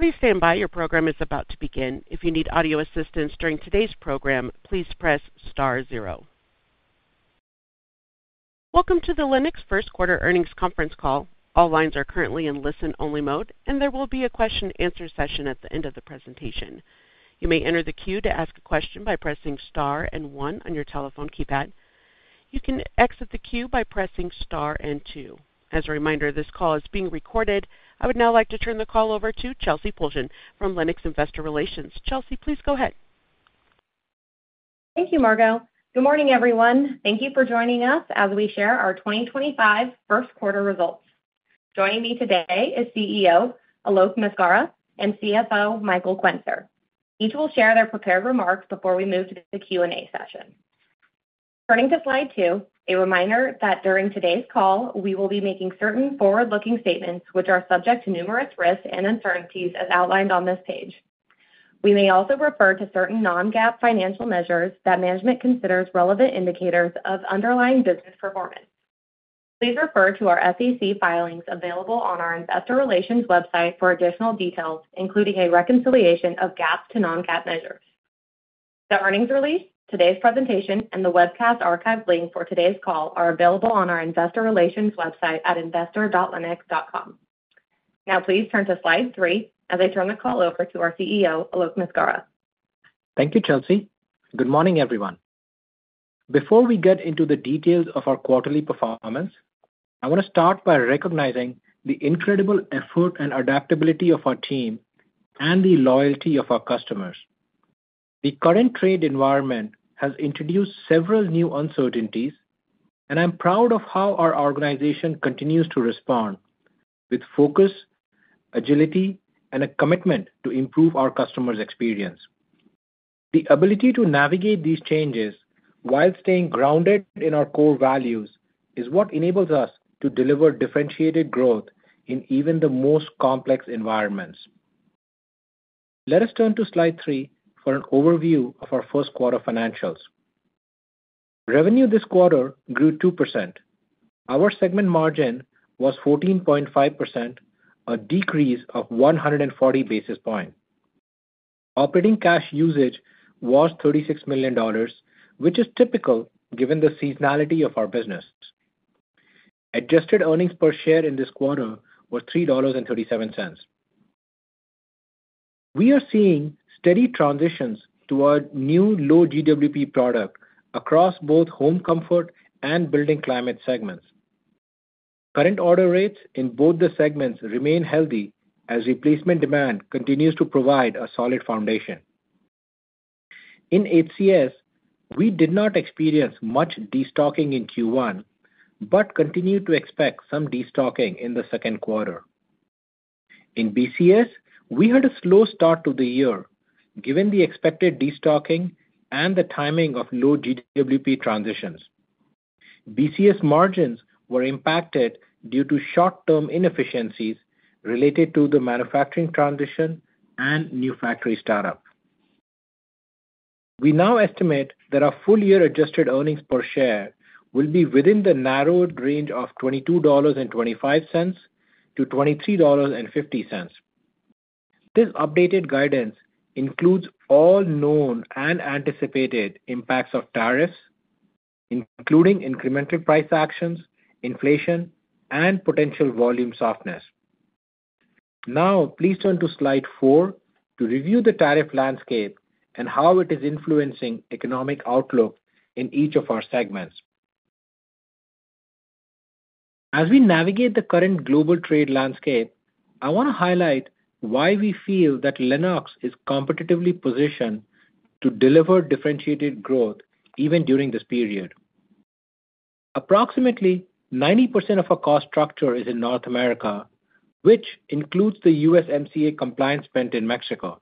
Please stand by. Your program is about to begin. If you need audio assistance during today's program, please press star 0. Welcome to the. Lennox first quarter earnings conference call. All lines are currently in listen-only mode and there will be a question-and-answer session at the end of the presentation. You may enter the queue to ask a question by pressing Star and one on your telephone keypad. You can exit the queue by pressing Star and two. As a reminder, this call is being recorded. I would now like to turn the call over to Chelsey Pulcheon from Lennox Investor Relations. Chelsey, please go ahead. Thank you. Good morning everyone. Thank you for joining us as we share our 2025 first quarter results. Joining me today is CEO Alok Maskara and CFO Michael Quenzer. Each will share their prepared remarks before we move to the Q&A session. Turning to Slide 2, a reminder that during today's call we will be making certain forward-looking statements which are subject to numerous risks and uncertainties as outlined on this page. We may also refer to certain non-GAAP financial measures that management considers relevant indicators of underlying business performance. Please refer to our SEC filings available on our Investor Relations website for additional details, including a reconciliation of GAAP to non-GAAP measures. The earnings release, today's presentation, and the webcast archive link for today's call are available on our Investor Relations website at investor.lennox.com. Now please turn to Slide 3 as I turn the call over to our CEO Alok Maskara. Thank you, Chelsey. Good morning, everyone. Before we get into the details of our quarterly performance, I want to start by recognizing the incredible effort and adaptability of our team, the loyalty of our customers. The current trade environment has introduced several new uncertainties and I'm proud of how our organization continues to respond with focus, agility, and a commitment to improve our customers' experience. The ability to navigate these changes while staying grounded in our core values is what enables us to deliver differentiated growth in even the most complex environments. Let us turn to Slide 3 for an overview of our first quarter financials. Revenue this quarter grew 2%. Our segment margin was 14.5%, a decrease of 140 basis points. Operating cash usage was $36 million, which is typical given the seasonality of our business. Adjusted earnings per share in this quarter were $3.37. We are seeing steady transitions toward new low-GWP product across both Home Comfort and Building Climate segments. Current order rates in both the segments remain healthy as replacement demand continues to provide a solid foundation. In HCS, we did not experience much destocking in Q1 but continue to expect some destocking in the second quarter. In BCS, we had a slow start to the year given the expected destocking and the timing of low-GWP transitions. BCS margins were impacted due to short term inefficiencies related to the manufacturing transition and new factory startup. We now estimate that our full year adjusted earnings per share will be within the narrowed range of $22.25-$23.50. This updated guidance includes all known and anticipated impacts of tariffs including incremental price actions, inflation and potential volume softness. Now please turn to Slide 4 to review the tariff landscape and how it is influencing economic outlook in each of our segments. As we navigate the current global trade landscape, I want to highlight why we feel that Lennox is competitively positioned to deliver differentiated growth even during this period. Approximately 90% of our cost structure is in North America, which includes the USMCA compliance spend in Mexico.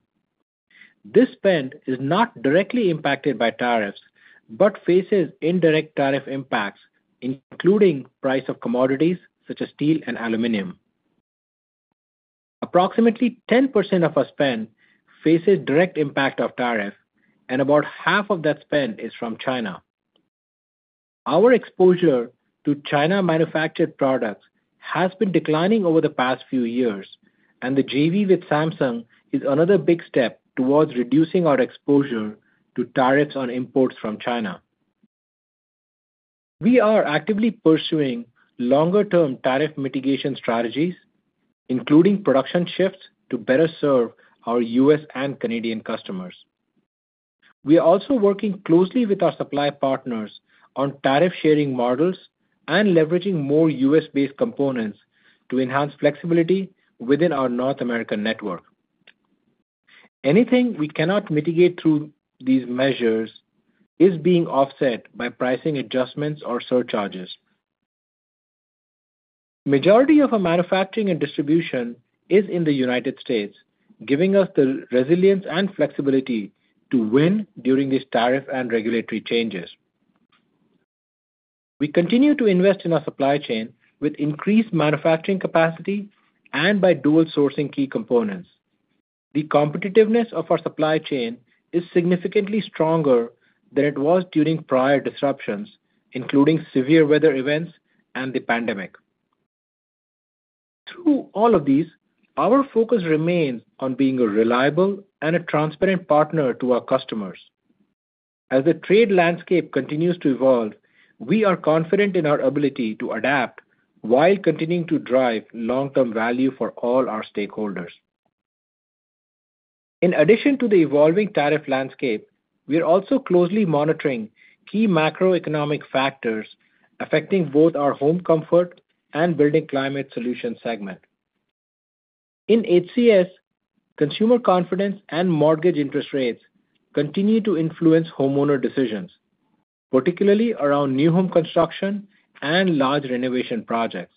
This spend is not directly impacted by tariffs but faces indirect tariff impacts including price of commodities such as steel and aluminum. Approximately 10% of our spend faces direct impact of tariff and about half of that spend is from China. Our exposure to China manufactured products has been declining over the past few years and the JV with Samsung is another big step towards reducing our exposure to tariffs on imports from China. We are actively pursuing longer term tariff mitigation strategies including production shifts to better serve our U.S. and Canadian customers. We are also working closely with our supply partners on tariff sharing models and leveraging more U.S.-based components to enhance flexibility within our North American network. Anything we cannot mitigate through these measures is being offset by pricing adjustments or surcharges. Majority of our manufacturing and distribution is in the United States, giving us the resilience and flexibility to win during these tariff and regulatory changes. We continue to invest in our supply chain with increased manufacturing capacity and by dual sourcing key components. The competitiveness of our supply chain is significantly stronger than it was during prior disruptions including severe weather events and the pandemic. Through all of these, our focus remains on being a reliable and a transparent partner to our customers. As the trade landscape continues to evolve, we are confident in our ability to adapt while continuing to drive long-term value for all our stakeholders. In addition to the evolving tariff landscape, we are also closely monitoring key macroeconomic factors affecting both our Home Comfort and Building Climate Solutions segment. In HCS, consumer confidence and mortgage interest rates continue to influence homeowner decisions, particularly around new home construction and large renovation projects.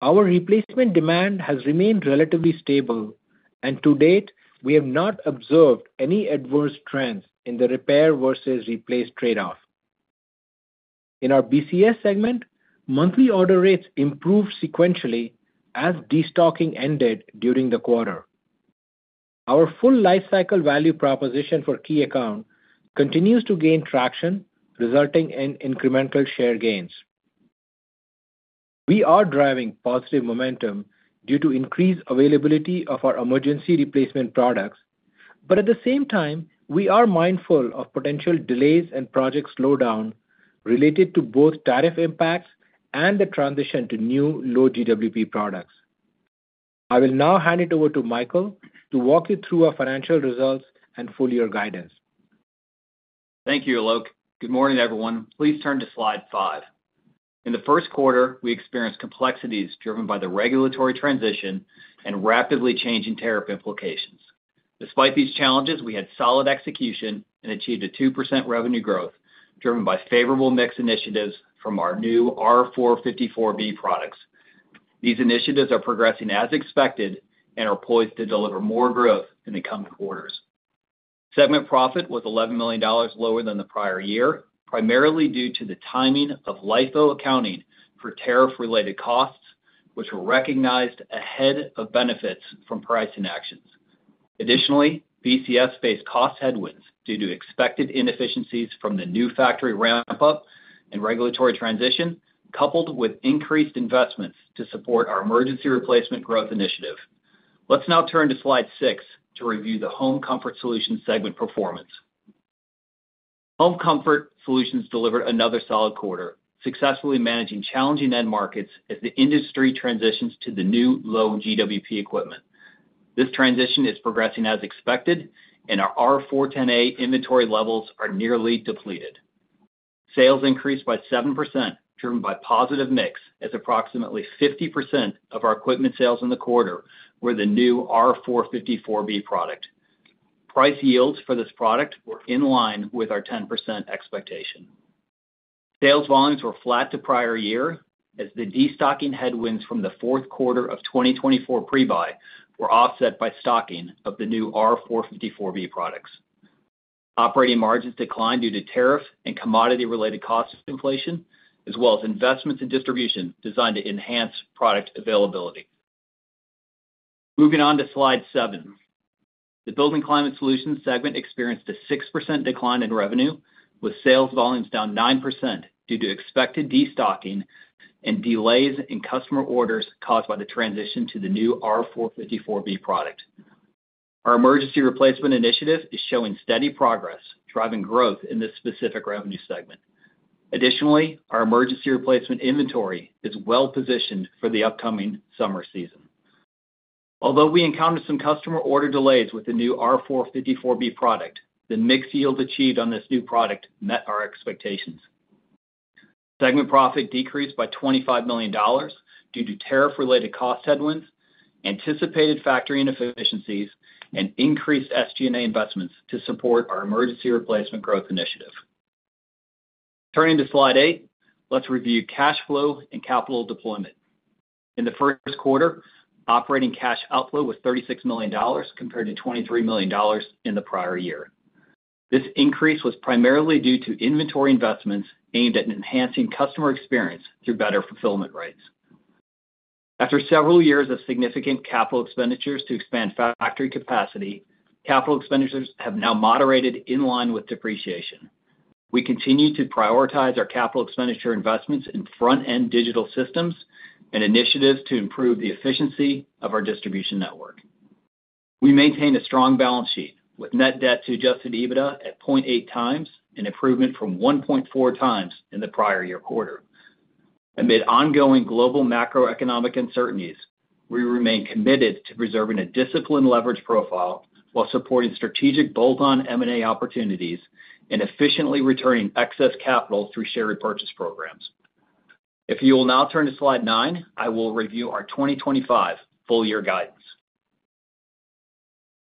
Our replacement demand has remained relatively stable and to date, we have not observed any adverse trends in the repair versus replace trade-off. In our BCS segment, monthly order rates improved sequentially as destocking ended during the quarter. Our full life cycle value proposition for key account continues to gain traction, resulting in incremental share gains. We are driving positive momentum due to increased availability of our emergency replacement products, but at the same time we are mindful of potential delays and project slowdown related to both tariff impacts and the transition to new low GWP products. I will now hand it over to Michael to walk you through our financial results and full year guidance. Thank you, Alok. Good morning, everyone. Please turn to Slide 5. In the first quarter, we experienced complexities driven by the regulatory transition and rapidly changing tariff implications. Despite these challenges, we had solid execution and achieved a 2% revenue growth driven by favorable mix initiatives from our new R-454B products. These initiatives are progressing as expected and are poised to deliver more growth in the coming quarters. Segment profit was $11 million lower than the prior year primarily due to the timing of LIFO accounting for tariff related costs, which were recognized ahead of benefits from pricing actions. Additionally, BCS faced cost headwinds due to expected inefficiencies from the new factory ramp up and regulatory transition, coupled with increased investments to support our emergency replacement growth initiative. Let's now turn to Slide 6 to review the Home Comfort Solutions segment performance. Home Comfort Solutions delivered another solid quarter, successfully managing challenging end markets as the industry transitions to the new low GWP equipment. This transition is progressing as expected, and our R-410A inventory levels are nearly depleted. Sales increased by 7% driven by positive mix, as approximately 50% of our equipment sales in the quarter were the new R-454B product. Price yields for this product were in line with our 10% expectation. Sales volumes were flat to prior year as the destocking headwinds from the fourth quarter of 2024 pre-buy were offset by stocking of the new R-454B products. Operating margins declined due to tariff and commodity related cost inflation, as well as investments in distribution designed to enhance product availability. Moving on to Slide 7, the Building Climate Solutions segment experienced a 6% decline in revenue with sales volumes down 9% due to expected destocking and delays in customer orders caused by the transition to the new R-454B product. Our emergency replacement initiative is showing steady progress driving growth in this specific revenue segment. Additionally, our emergency replacement inventory is well positioned for the upcoming summer season, although we encountered some customer order delays with the new R-454B product. The mixed yields achieved on this new product met our expectations. Segment profit decreased by $25 million due to tariff related cost headwinds, anticipated factory inefficiencies and increased SG&A investments to support our emergency replacement growth initiative. Turning to Slide 8, let's review cash flow and capital deployment. In the first quarter, operating cash outflow was $36 million compared to $23 million in the prior year. This increase was primarily due to inventory investments aimed at enhancing customer experience through better fulfillment rates. After several years of significant capital expenditures to expand factory capacity, capital expenditures have now moderated in line with depreciation. We continue to prioritize our capital expenditure investments in front end digital systems and initiatives to improve the efficiency of our distribution network. We maintain a strong balance sheet with net debt to adjusted EBITDA at 0.8 times, an improvement from 1.4 times in the prior year quarter. Amid ongoing global macroeconomic uncertainties, we remain committed to preserving a disciplined leverage profile while supporting strategic bolt-on M&A opportunities and efficiently returning excess capital through share repurchase programs. If you will now turn to Slide 9, I will review our 2025 full year guidance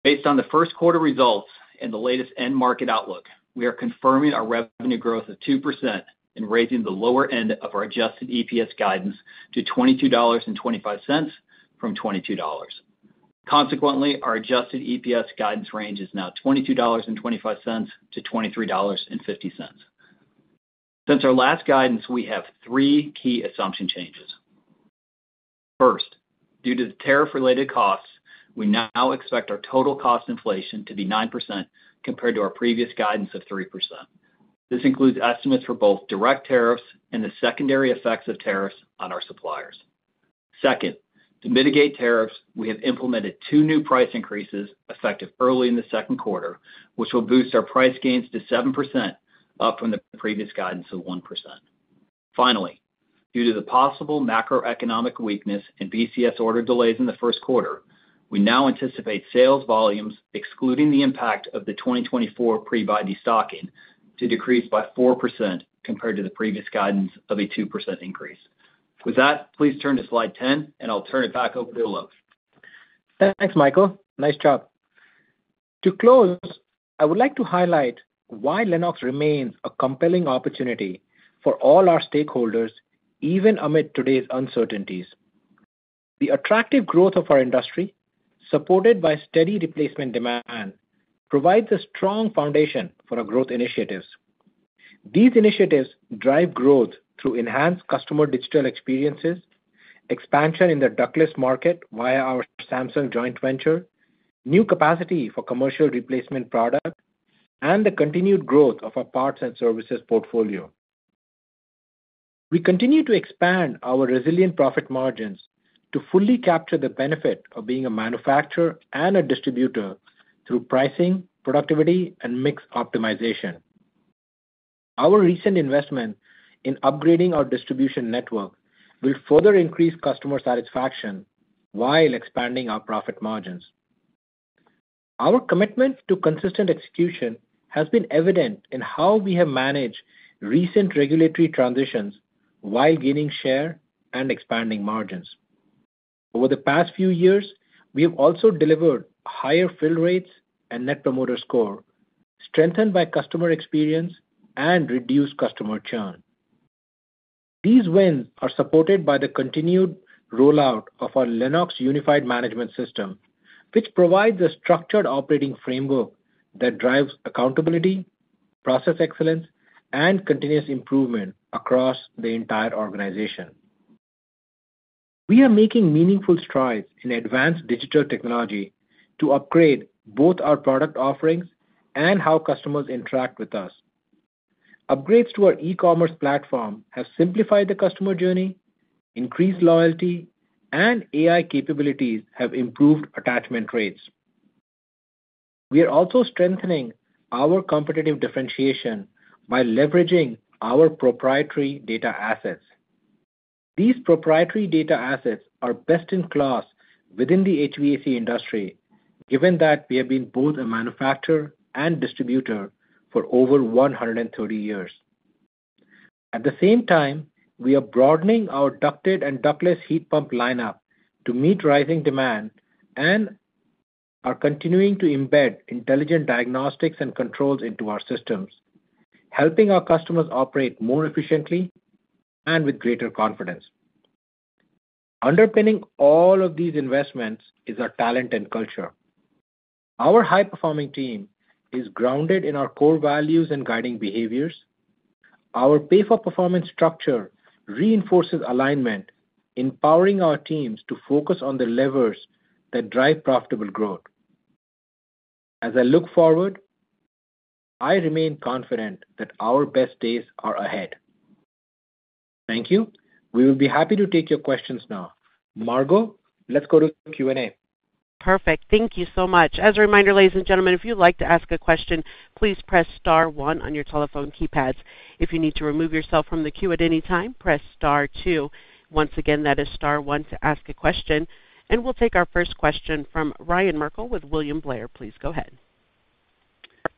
based on the first quarter results and the latest end market outlook, we are confirming our revenue growth of 2% and raising the lower end of our adjusted EPS guidance to $22.25 from $22. Consequently, our adjusted EPS guidance range is now $22.25-$23.50. Since our last guidance, we have three key assumption changes. First, due to the tariff related costs, we now expect our total cost inflation to be 9% compared to our previous guidance of 3%. This includes estimates for both direct tariffs and the secondary effects of tariffs on our suppliers. Second, to mitigate tariffs, we have implemented two new price increases effective early in the second quarter which will boost our price gains to 7% up from the previous guidance of 1%. Finally, due to the possible macroeconomic weakness and BCS order delays in the first quarter, we now anticipate sales volumes excluding the impact of the 2024 pre-buy destocking to decrease by 4% compared to the previous guidance of a 2% increase. With that, please turn to Slide 10 and I'll turn it back over to Alok. Thanks, Michael. Nice job. To close, I would like to highlight why Lennox remains a compelling opportunity for all our stakeholders even amid today's uncertainties. The attractive growth of our industry supported by steady replacement demand provides a strong foundation for our growth initiatives. These initiatives drive growth through enhanced customer digital experiences, expansion in the ductless market via our Samsung joint venture, new capacity for commercial replacement product, and the continued growth of our parts and services portfolio. We continue to expand our resilient profit margins to fully capture the benefit of being a manufacturer and a distributor through pricing, productivity, and mix optimization. Our recent investment in upgrading our distribution network will further increase customer satisfaction while expanding our profit margins. Our commitment to consistent execution has been evident in how we have managed recent regulatory transitions while gaining share and expanding margins over the past few years. We have also delivered higher fill rates and Net Promoter Score, strengthened by customer experience and reduced customer churn. These wins are supported by the continued rollout of our Lennox Unified Management System which provides a structured operating framework that drives accountability, process excellence and continuous improvement across the entire organization. We are making meaningful strides in advanced digital technology to upgrade both our product offerings and how customers interact with us. Upgrades to our e-commerce platform have simplified the customer journey. Increased loyalty and AI capabilities have improved attachment rates. We are also strengthening our competitive differentiation by leveraging our proprietary data assets. These proprietary data assets are best-in-class within the HVAC industry given that we have been both a manufacturer and distributor for over 130 years. At the same time, we are broadening our ducted and ductless heat pump lineup to meet rising demand and are continuing to embed intelligent diagnostics and controls into our systems, helping our customers operate more efficiently and with greater confidence. Underpinning all of these investments is our talent and culture. Our high performing team is grounded in our core values and guiding behaviors. Our pay-for-performance structure reinforces alignment, empowering our teams to focus on the levers that drive profitable growth. As I look forward, I remain confident that our best days are ahead. Thank you. We will be happy to take your questions now. Margo, let's go to Q&A. Perfect. Thank you so much. As a reminder, ladies and gentlemen, if you'd like to ask a question, please press Star one on your telephone keypads. If you need to remove yourself from the queue at any time, press Star two. Once again, that is Star one to ask a question and we'll take our first question from Ryan Merkel with William Blair. Please go ahead.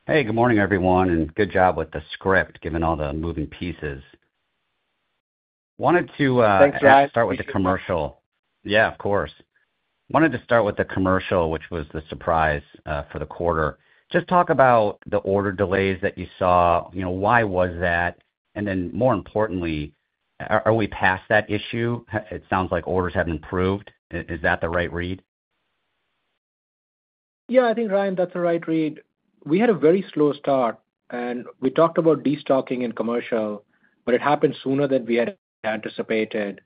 Hey, good morning everyone and good job with the script given all the moving pieces. Wanted to start with the commercial. Yeah, of course. Wanted to start with the commercial which was the surprise for the quarter. Just talk about the order delays that you saw. Why was that? Then more importantly, are we past that issue? It sounds like orders have improved. Is that the right read? Yeah, I think Ryan, that's the right read. We had a very slow start and we talked about destocking in commercial, but it happened sooner than we had anticipated.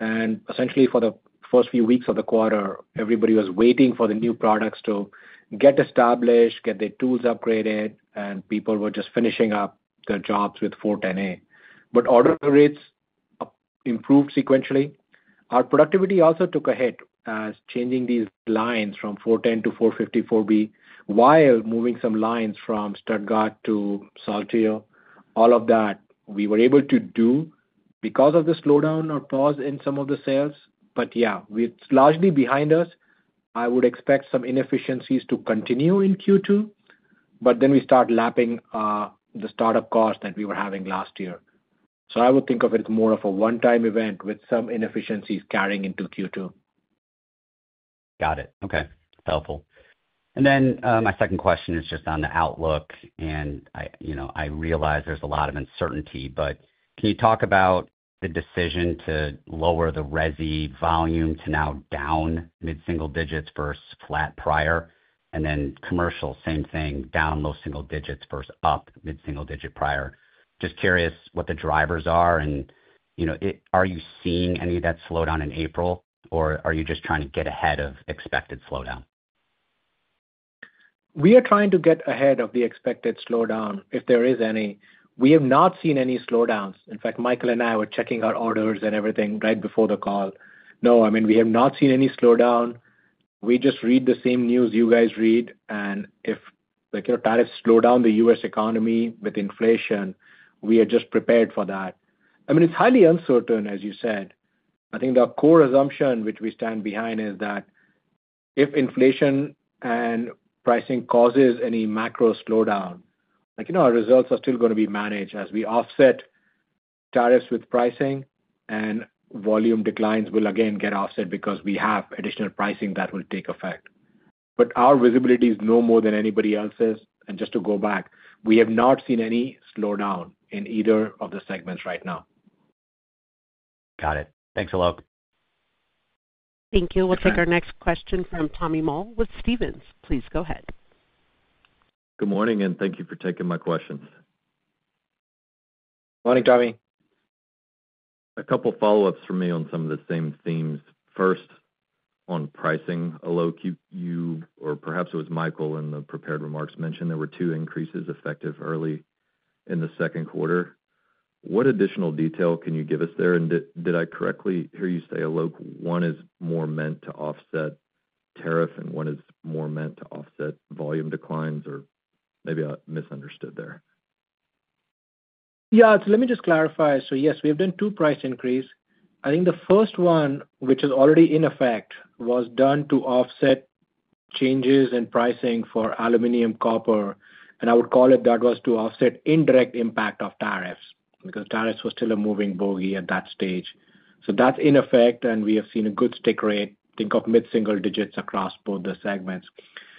Essentially, for the first few weeks of the quarter everybody was waiting for the new products to get established, get their tools upgraded, and people were just finishing up their jobs with 410A, but order rates improved sequentially. Our productivity also took a hit as changing these lines from 410A to 454B while moving some lines from Stuttgart to Saltillo. All of that we were able to do because of the slowdown or pause in some of the sales. Yeah, it's largely behind us. I would expect some inefficiencies to continue in Q2, but then we start lapping the startup cost that we were having last year. I would think of it as more of a one time event with some inefficiencies carrying into Q2. Got it. Okay, helpful. My second question is just on the outlook and I realize there's a lot of uncertainty, but can you talk about the decision to lower the resi volume to now down mid single digits versus flat prior and then commercial same thing, down low single digits versus up mid single digit prior. Just curious what the drivers are and are you seeing any of that slowdown in April or are you just trying. To get ahead of expected slowdown? We are trying to get ahead of the expected slowdown, if there is any. We have not seen any slowdowns. In fact, Michael and I were checking our orders and everything right before the call. No, I mean we have not seen any slowdown. We just read the same news you guys read and if tariffs slow down the U.S. economy with inflation, we are just prepared for that. I mean it's highly uncertain as you said. I think the core assumption which we stand behind is that if inflation and pricing causes any macro slowdown, our results are still going to be managed as we offset tariffs with pricing and volume declines will again get offset because we have additional pricing that will take effect. Our visibility is no more than anybody else's. Just to go back, we have not seen any slowdown in either of the segments right now. Got it. Thanks a lot. Thank you. We'll take our next question from Tommy Moll with Stephens. Please go ahead. Good morning and thank you for taking my questions. Morning Tommy. A couple follow ups for me on some of the same themes. First on pricing, Alok, you or perhaps it was Michael in the prepared remarks mentioned, there were two increases effective early in the second quarter. What additional detail can you give us there? Did I correctly hear you say, Alok, one is more meant to offset tariff and one is more meant to offset volume declines. Or maybe I misunderstood there. Yeah, let me just clarify. Yes, we have done two price increases. I think the first one, which is already in effect, was done to offset changes in pricing for aluminum, copper, and I would call it that was to offset indirect impact of tariffs because tariffs were still a moving bogey at that stage. That is in effect and we have seen a good stick rate. Think of mid single digits across both the segments.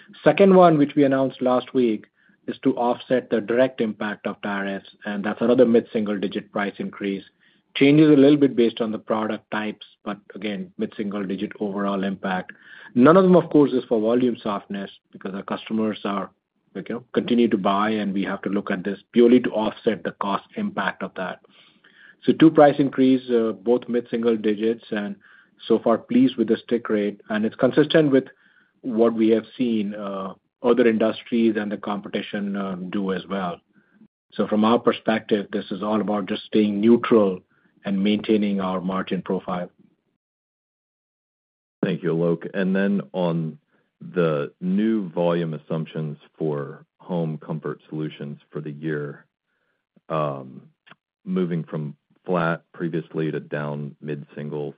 The second one, which we announced last week, is to offset the direct impact of tariffs and that is another mid single digit price increase. It changes a little bit based on the product types, but again mid single digit overall impact. None of them, of course, is for volume softness because our customers continue to buy and we have to look at this purely to offset the cost impact of that. Two price increase both mid single digits and so far pleased with the stick rate and it's consistent with what we have seen other industries and the competition do as well. From our perspective this is all about just staying neutral and maintaining our margin profile. Thank you, Alok. On the new volume assumptions for Home Comfort Solutions for the year, moving from flat previously to down mid singles,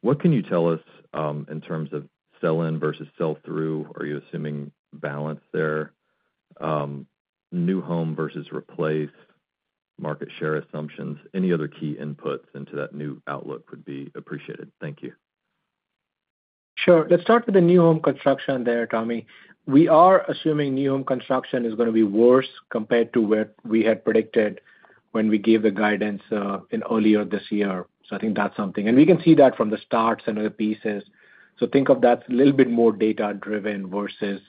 what can you tell us in terms of sell-in versus sell-through? Are you assuming balance there, new home versus replace market share assumptions? Any other key inputs into that new outlook would be appreciated. Thank you. Sure. Let's start with the new home construction there Tommy. We are assuming new home construction is going to be worse compared to where we had predicted when we gave the guidance earlier this year. I think that's something and we can see that from the starts and other pieces. Think of that a little bit more data driven versus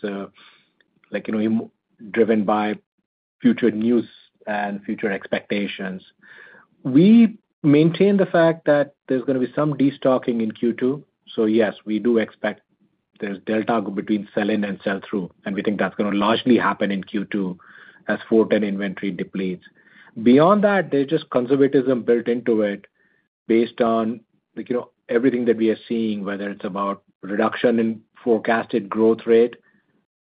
driven by future news and future expectations. We maintain the fact that there's going to be some destocking in Q2. Yes, we do expect there's delta between sell-in and sell-through and we think that's going to largely happen in Q2 as 410 inventory depletes. Beyond that, there is just conservatism built into it based on everything that we are seeing, whether it is about reduction in forecasted growth rate,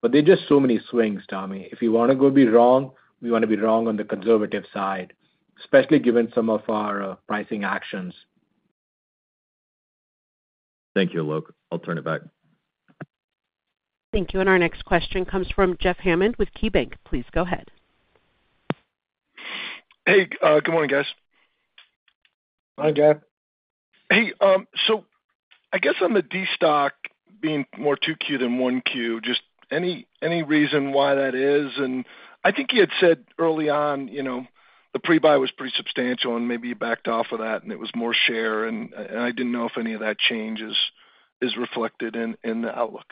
but there are just so many swings. Tommy, if you want to go be wrong, we want to be wrong on the conservative side, especially given some of our pricing actions. Thank you, Alok, I'll turn it back. Thank you, and our next question comes from Jeff Hammond with KeyBank. Please go ahead. Hey, good morning guys. Morning Jeff. Hey. I guess on the Destock being more Q2 than Q1, just any reason why that is? I think you had said early on the pre-buy was pretty substantial and maybe you backed off of that and it was more share, and I did not know if any of that change is reflected in the outlook.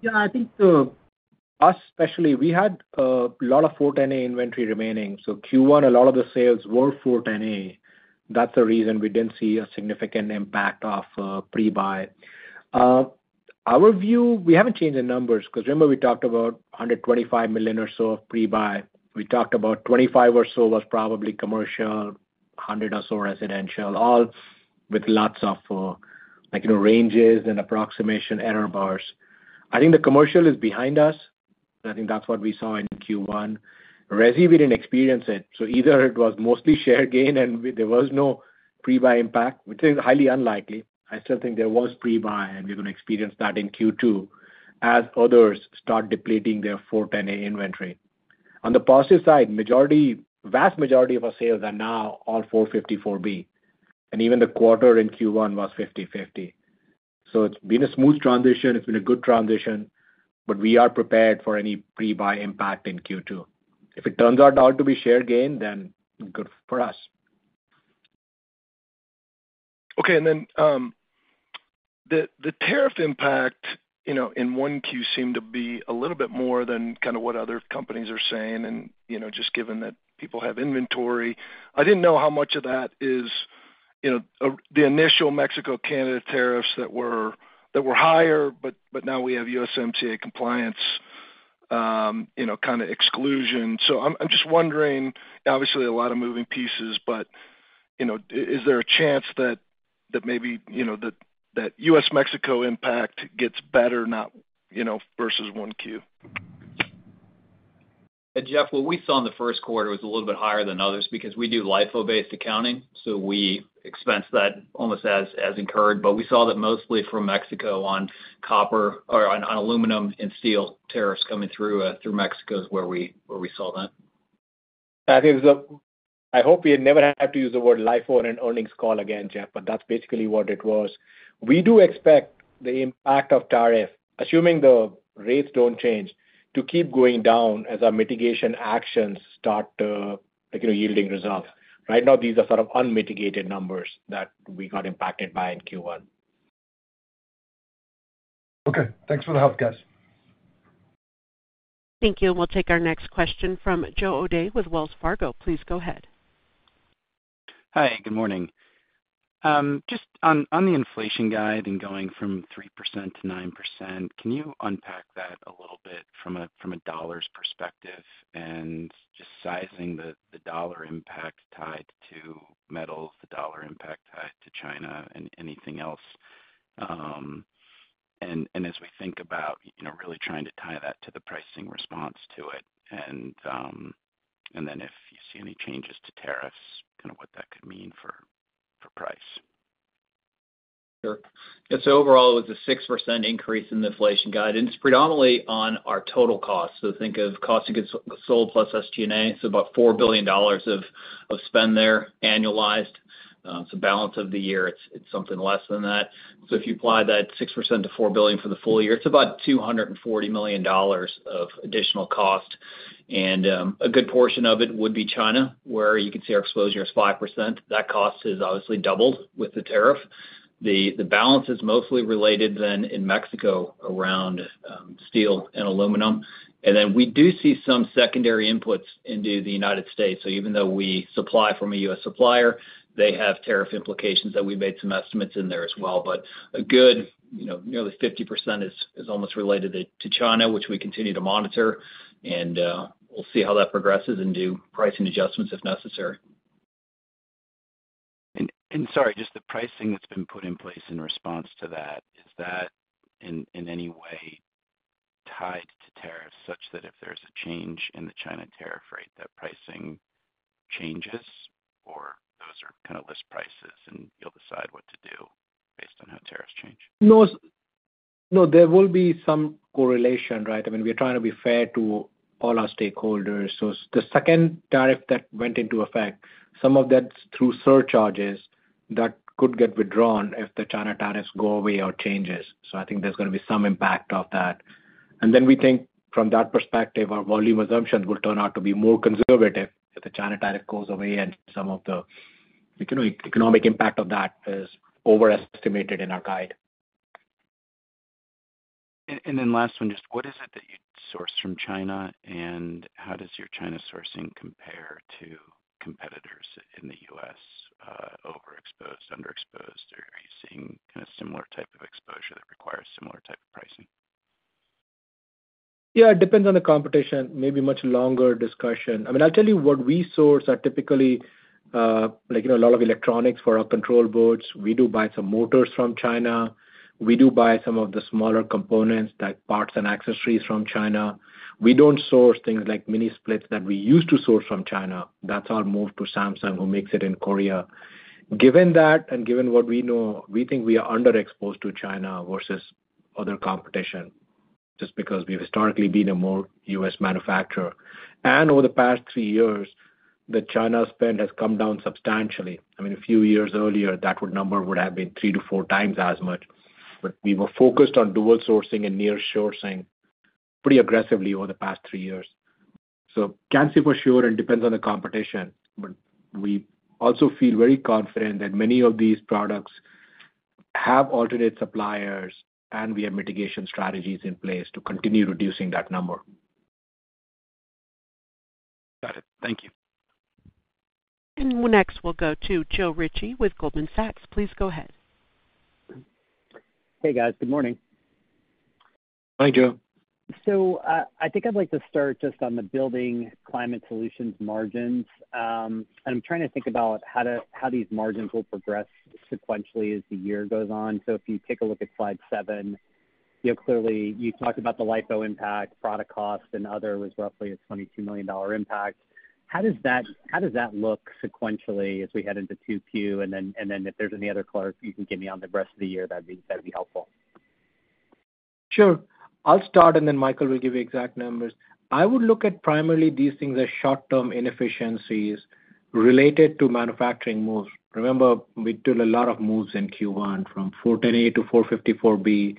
Yeah, I think especially we had a lot of 410A inventory remaining. Q1, a lot of the sales were 410A. That is the reason we did not see a significant impact of pre-buy. Our view, we have not changed the numbers because remember we talked about $125 million or so of pre-buy. We talked about $25 million or so was probably commercial, $100 million or so residential, all with lots of ranges and approximation error bars. I think the commercial is behind us. I think that's what we saw in Q1 resi. We didn't experience it so either it was mostly share gain and there was no pre-buy impact which is highly unlikely. I still think there was pre-buy and we're going to experience that in Q2 as others start depleting their 410 inventory. On the positive side, majority, vast majority of our sales are now on 454B and even the quarter in Q1 was 50/50. It has been a smooth transition, it has been a good transition. We are prepared for any pre-buy impact in Q2. If it turns out to be share gain then good for us. Okay. The tariff impact in Q1 seemed to be a little bit more than kind of what other companies are saying. You know, just given that people have inventory, I didn't know how much of that is. You know, the initial Mexico, Canada tariffs that were, that were higher but now we have USMCA compliance, you know, kind of exclusion. So I'm just wondering obviously a lot of moving pieces but you know, is there a chance that maybe, you know, that U.S. Mexico impact gets better, not worse, you know, versus Q1. Jeff, what we saw in the first quarter was a little bit higher than others because we do LIFO based accounting. We expense that almost as incurred. We saw that mostly from Mexico on copper or on aluminum and steel tariffs coming through. Mexico is where we saw that. I hope we had never had to use the word LIFO in an earnings call again, Jeff, but that's basically what it was. We do expect the impact of tariff assuming the rates don't change to keep going down as our mitigation actions start yielding results. Right now, these are sort of unmitigated numbers that we got impacted by in Q1. Okay, thanks for the help, guys. Thank you. We will take our next question from Joe O’Day with Wells Fargo. Please go ahead. Hi, good morning. Just on the inflation guide and going from 3%-9%. Can you unpack that a little bit from a dollar's perspective and just sizing the dollar impact tied to metals, the dollar impact tied to China and anything else. As we think about really trying to tie that to the pricing response to it. If you see any changes to tariffs, kind of what that could mean for price. Sure. Overall it was a 6% increase in the inflation guidance, predominantly on our total cost. Think of cost of goods sold plus SG&A. About $4 billion of spend there annualized. Balance of the year, it's something less than that. If you apply that 6% to $4 billion for the full year, it's about $240 million of additional cost. A good portion of it would be China, where you can see our exposure is 5%. That cost has obviously doubled with the tariff. The balance is mostly related then in Mexico around steel and aluminum, and then we do see some secondary inputs into the United States. Even though we supply from a U.S. supplier, they have tariff implications that we made some estimates in there as well. A good nearly 50% is almost related to China, which we continue to monitor and we will see how that progresses and do pricing adjustments if necessary. Sorry, just the pricing that's been put in place in response to that, is that in any way tied to tariffs such that if there's a change in the China tariff rate, that pricing changes or those are kind of list prices and you'll decide what to do based on how tariffs change? No, there will be some correlation. Right. I mean, we're trying to be fair to all our stakeholders. The second tariff that went into effect, some of that's through surcharges that could get withdrawn if the China tariffs go away or change. I think there's going to be some impact of that. We think from that perspective our volume assumptions will turn out to be more conservative if the China tariff goes away. Some of the economic impact of that is overestimated in our guide. Last one, just what is. Is that you source from China and how does your China sourcing compare to competitors in the U.S. Overexposed, underexposed. Are you seeing similar type of exposure that requires similar type of pricing? Yeah, it depends on the competition. Maybe much longer discussion. I mean I'll tell you what we source are typically like, you know, a lot of electronics for our control boards. We do buy some motors from China. We do buy some of the smaller components like parts and accessories from China. We don't source things like mini splits that we used to source from China. That's our move to Samsung, who makes it in Korea. Given that and given what we know, we think we are underexposed to China versus other competition just because we've historically been a more US manufacturer. And over the past three years the China spend has come down substantially. I mean a few years earlier that number would have been three to four times as much. But we were focused on dual sourcing and near sourcing pretty aggressively over the past three years. I can't say for sure and it depends on the competition. We also feel very confident that many of these products have alternate suppliers and we have mitigation strategies in place to continue reducing that number. Got it. Thank you. Next we'll go to Joe Ritchie with Goldman Sachs. Please go ahead. Hey guys, good morning. Hi, Joe. I think I'd like to start just on the building climate solutions margins and I'm trying to think about how these margins will progress sequentially as the year goes on. If you take a look at. Slide 7, clearly you talked about the LIFO impact product cost and other was roughly a $22 million impact. How does that look sequentially as we head into Q2 and then if there's any other clarity you can give me on the rest. Of the year, that'd be helpful. Sure. I'll start and then Michael will give you exact numbers. I would look at primarily these things as short term inefficiencies related to manufacturing moves. Remember we did a lot of moves in Q1 from R-410A to R-454B,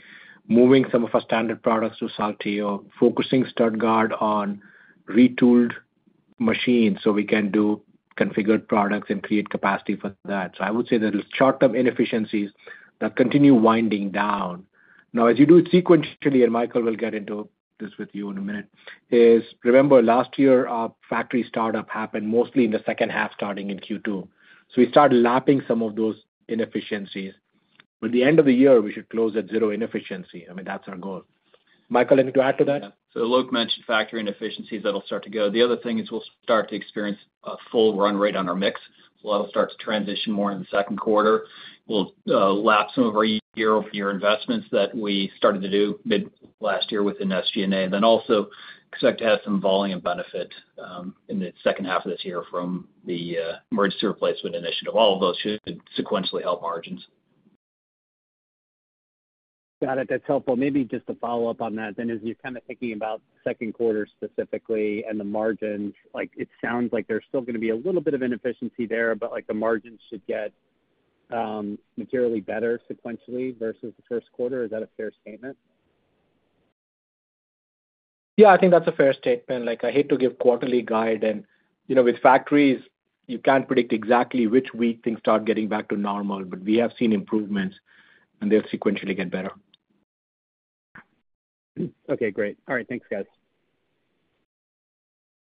moving some of our standard products to Saltillo, focusing Stuttgart on retooled machines so we can do configured products and create capacity for that. I would say there are short term inefficiencies that continue winding down now as you do it sequentially. Michael will get into this with you in a minute. Remember last year factory startup happened mostly in the second half starting in Q2. We start lapping some of those inefficiencies. By the end of the year we should close at zero inefficiency. I mean that's our goal. Michael, anything to add to that? Alok mentioned factory inefficiencies. That'll start to go. The other thing is we'll start to experience a full run rate on our mix that'll start to transition more in the second quarter. We'll lap some of our year over year investments that we started to do mid last year within SG&A. Also expect to have some volume benefit in the, in the second half of this year from the emergency replacement initiative. All of those should sequentially help margins. Got it. That's helpful. Maybe just to follow up on that then as you're kind of thinking about second quarter specifically and the margins. Like it sounds like there's still going to be a little bit of inefficiency there but like the margins should get materially better sequentially versus the first quarter. Is that a fair statement? Yeah, I think that's a fair statement. Like I hate to give quarterly guide and you know, with factories you can't predict exactly which week things start getting back to normal. But we have seen improvements and they'll sequentially get better. Okay, great. All right, thanks guys.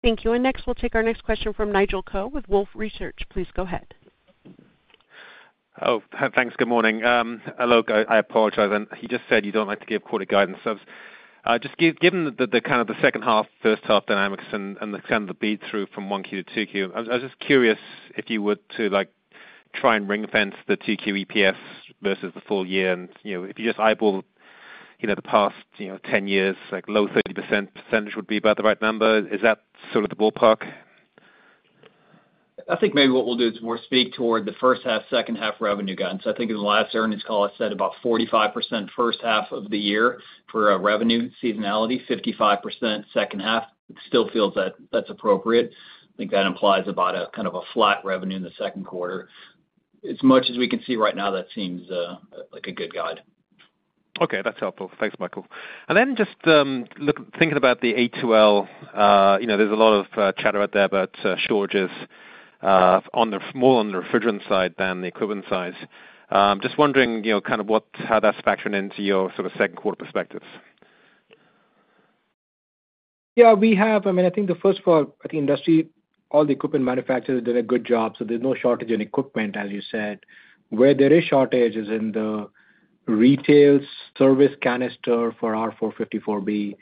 Thank you. Next, we'll take our next question from Nigel Coe with Wolfe Research. Please go ahead. Oh, thanks. Good morning. Alok, I apologize. And you just said you don't like to give quarter guidance. Just given the kind of the second half first half dynamics and the kind of beat through from Q1 to Q2. I was just curious if you were to like try and ring fence the. Two Q EPS versus the full year. If you just eyeball the past 10 years, like low 30% would be about the right number. Is that sort of the ballpark? I think maybe what we'll do is more speak toward the first half second half revenue guidance. I think in the last earnings call I said about 45% first half of year. The year for revenue seasonality, 55% second half still feels that's appropriate. I think that implies about kind of a flat revenue in the second quarter. As much as we can see right now. That seems like a good guide. Okay, that's helpful. Thanks, Michael. And then just thinking about the A2L, there's a lot of chatter out there about shortages more on the refrigerant side than the equipment side. Just wondering kind of how that's factored into your sort of second quarter perspective. Yes, we have. I mean, I think first of all, industry, all the equipment manufacturers have done a good job. So there's no shortage in equipment. As you said, where there is shortage is in the retail service canister for R-454B.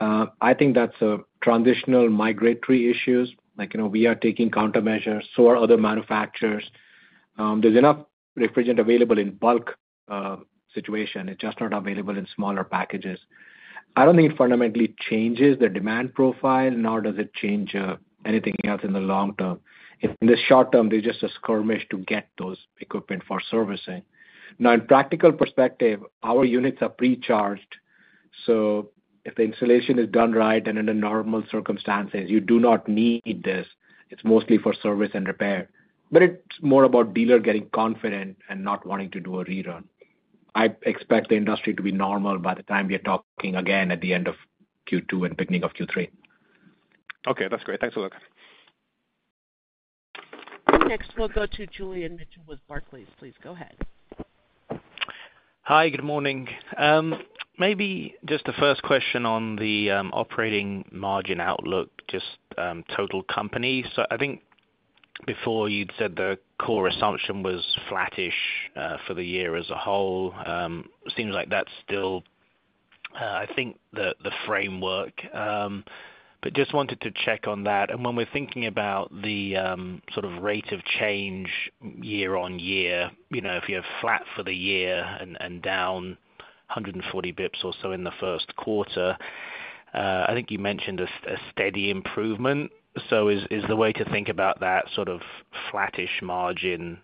I think that's a transitional migratory issue. Like, you know, we are taking countermeasures, so are other manufacturers. There's enough refrigerant available in bulk situation, it's just not available in smaller packages. I don't think it fundamentally changes the demand profile nor does it change anything else in the long term. In the short term there's just a skirmish to get those equipment for servicing. Now in practical perspective our units are pre charged. So if the installation is done right and under normal circumstances you do not need this. It's mostly for service and repair. It's more about dealer getting confident and not wanting to do a rerun. I expect the industry to be normal by the time we are talking again at the end of Q2 and beginning of Q3. Okay, that's great. Thanks a lot. Next we'll go to Julian Mitchell with Barclays. Please go ahead. Hi, good morning. Maybe just the first question on the operating margin outlook. Just total company. I think before you'd said the core assumption was flattish for the year as a whole. Seems like that's still I think the framework but just wanted to check on that. When we're thinking about the sort of rate of change year on year, you know, if you're flat for the year and down 140 bps or so in the first quarter, I think you mentioned a steady improvement. Is the way to think about. That sort of flattish margin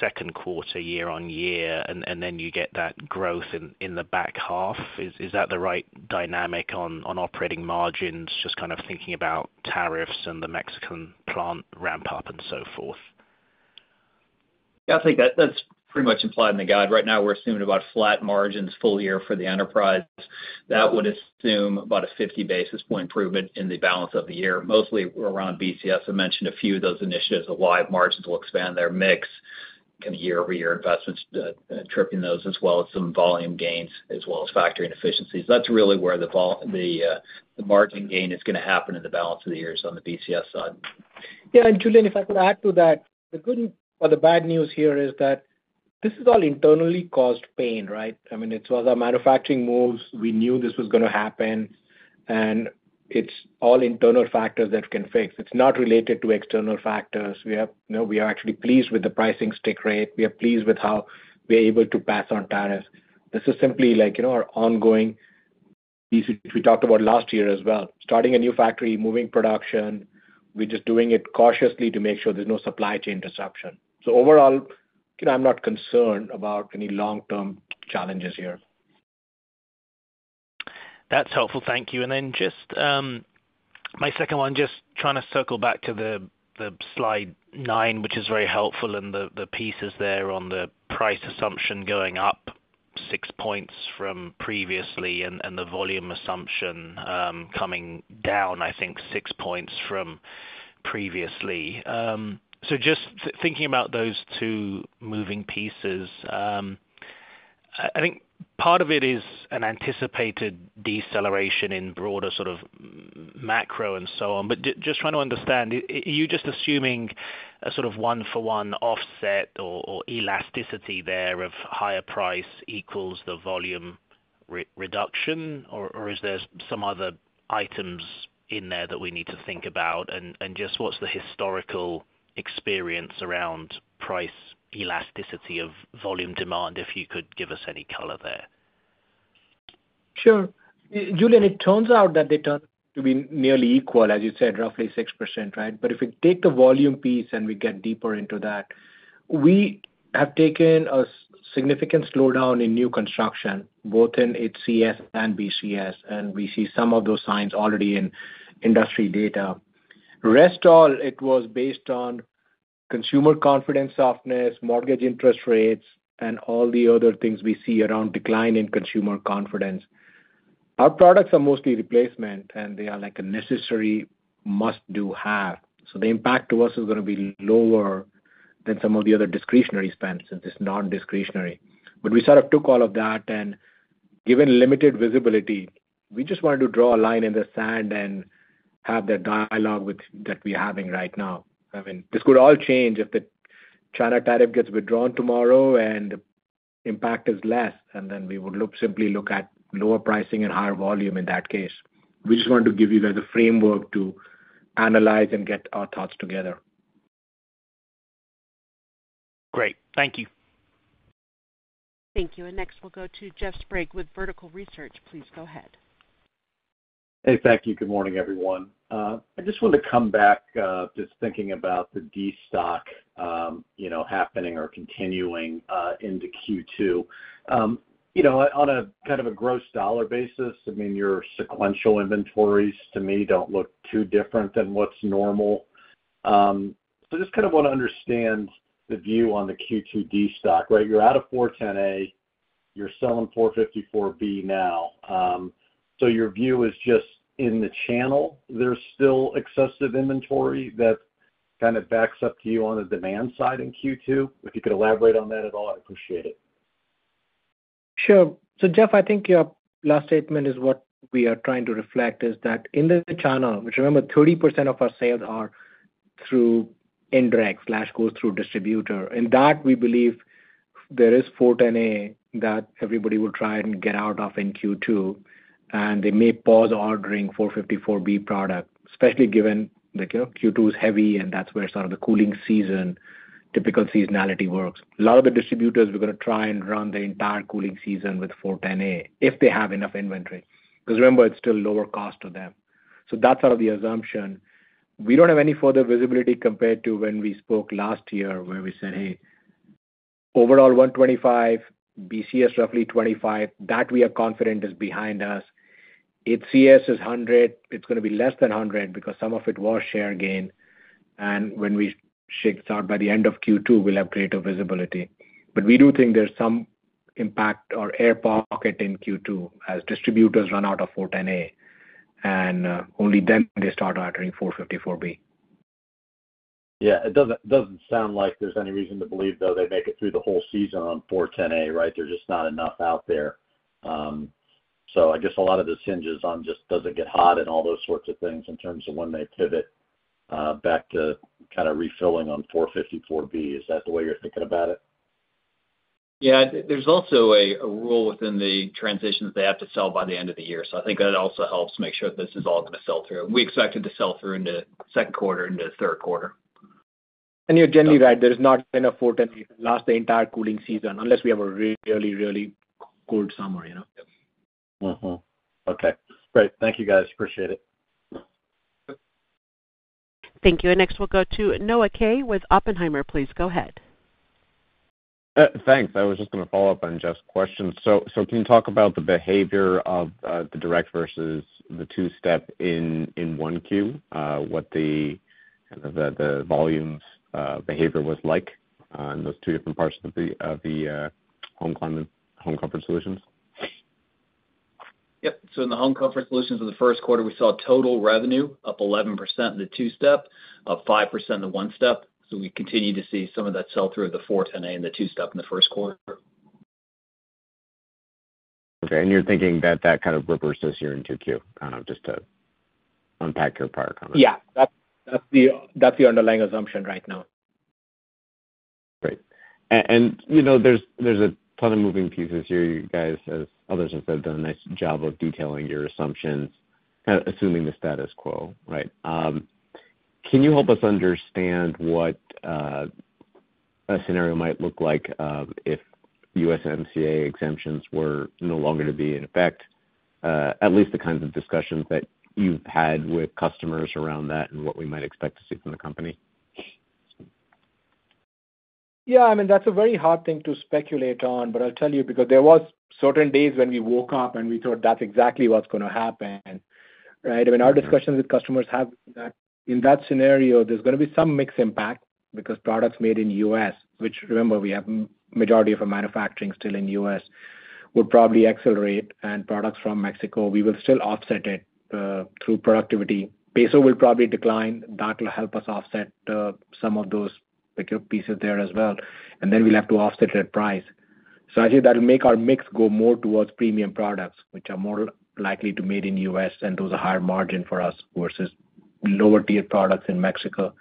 second quarter. Year on year and then you get. That growth in the back half. Is that the right dynamic on operating margins? Just kind of thinking about tariffs and the Mexican plant ramp up and so forth. I think that's pretty much implied in the guide. Right now we're assuming about flat margins full year for the enterprise. That would assume about a 50 basis point improvement in the balance of the year, mostly around BCS. I mentioned a few of those initiatives. The live margins will expand their mix kind of year over year, investments tripping those as well as some volume gains as well as factoring efficiencies. That's really where the margin gain is going to happen in the balance of the year is on the BCS side. Yeah. Julian, if I could add to that, the good or the bad news here is that this is all internally caused pain, right? I mean it was our manufacturing moves. We knew this was going to happen. And it is all internal factors that can fix. It is not related to external factors. We are actually pleased with the pricing stick rate. We are pleased with how we are able to pass on tariffs. This is simply like our ongoing, we talked about last year as well, starting a new factory, moving production. We are just doing it cautiously to make sure there is no supply chain disruption. Overall, I am not concerned about any long term challenges here. That is helpful, thank you. Just my second one, just trying to circle back to the slide 9 which is very helpful. The pieces there on the price. Assumption going up six points from previously and the volume assumption coming down I. Think six points from previously. Just thinking about those two moving. Pieces. I think part of it is an anticipated deceleration in broader sort of. Macro and so on. Just trying to understand, are you just assuming a sort of one-for-one offset or elasticity there of higher price equals the volume reduction, or is there some other items in there that we need to think about, and just what's the historical experience around price elasticity of volume demand? If you could give us any color there. Sure, Julian, it turns out that they turn to be nearly equal as you said, roughly 6%. Right. If we take the volume piece and we get deeper into that, we have taken a significant slowdown in new construction both in HCS and BCS and we see some of those signs already in industry data. Rest all it was based on consumer confidence, softness, mortgage interest rates and all the other things we see around decline in consumer confidence. Our products are mostly replacement and they are like a necessary must do have. The impact to us is going to be lower than some of the other discretionary spends since it's non discretionary. We sort of took all of that and given limited visibility, we just wanted to draw a line in the sand and have that dialogue that we're having right now. I mean this could all change if the China tariff gets withdrawn tomorrow and impact is less. We would simply look at lower pricing and higher volume. In that case, we just wanted to give you guys a framework to analyze and get our thoughts together. Great, thank you. Thank you. Next we'll go to Jeff Sprague with Vertical Research. Please go ahead. Hey, thank you. Good morning everyone. I just want to come back just thinking about the Destock, you know, happening or continuing into Q2, you know, on a kind of a gross dollar basis. I mean your sequential inventories to me do not look too different than what is normal. Just kind of want to understand. The view on the Q2D stock, right. You're out of 410A. You're selling 454B now. Your view is just in the channel. There's still excessive inventory that kind of backs up to you on the demand side in Q2. If you could elaborate on that at all. I appreciate it. Sure. Jeff, I think your last statement is what we are trying to reflect is that in the channel, which, remember, 30% of our sales are through indirect, goes through distributor, and that we believe there is 410A that everybody will try and get out of in Q2. They may pause ordering 454B product, especially given Q2 is heavy. That is where sort of the cooling season, typical seasonality works. A lot of the distributors are going to try and run the entire cooling season with 410A if they have enough inventory, because remember, it is still lower cost to them. That is out of the assumption. We do not have any further visibility. Compared to when we spoke last year where we said, hey, overall, $125 million pre-buy, roughly $25 million that we are confident is behind us. HCS is $100 million. It's going to be less than 100 because some of it was share gain. When we shift out by the end of Q2, we'll have greater visibility. We do think there's some impact or air pocket in Q2 as distributors run out of 410A and only then they start altering 454B. Yeah. It doesn't sound like there's any reason to believe though, they make it through the whole season on 410A. Right. There's just not enough out there. I guess a lot of this hinges on just doesn't get hot and all those sorts of things in terms. Of when they pivot back to kind. Of refilling on 454B. Is that the way you're thinking about it? Yeah. is also a rule within the transitions. They have to sell by the end of the year. I think that also helps make sure this is all going to sell-through to sell-through into second quarter, into third quarter. You're generally right, there's not enough 410 to last the entire cooling season unless we have a really, really cold summer, you know. Okay, great. Thank you, guys. Appreciate it. Thank you. Next, we'll go to Noah Kaye with Oppenheimer. Please. Go ahead. Thanks. I was just going to follow up on Jeff's question. Can you talk about the behavior of the direct versus the two-step in Q1, what the volumes behavior was like in those two different parts of the home climate. Home Comfort Solutions? Yep. In the Home Comfort Solutions in the first quarter we saw total revenue up 11% in the two-step, up 5% in the one-step. We continue to see some of. That sell-through of the 410A and the two-step in the first quarter. Okay. And you're thinking that that kind of reverses here in Q2 just to unpack your prior comments. Yeah, that's the underlying assumption right now. Great. You know there's a ton of moving pieces here. You guys, as others have said, done. A nice job of detailing your assumptions. Assuming the status quo. Right. Can you help us understand what Scenario Might look like if USMCA exemptions were no longer to be in effect? At least the kinds of discussions that. You've had with customers around that. What we might expect to see from the company? Yeah, I mean that's a very hard thing to speculate on. I'll tell you because there were certain days when we woke up and we thought that's exactly what's going to happen. Our discussions with customers have in that scenario there's going to be some mix impact because products made in U.S., which remember we have majority of our manufacturing still in U.S., would probably accelerate and products from Mexico we will still offset it through productivity. Peso will probably decline. That will help us offset some of those pieces there as well, and we'll have to offset that price. Actually, that will make our mix go more towards premium products, which are more likely to be made in U.S., and those are higher margin for us versus lower tier products in Mexico.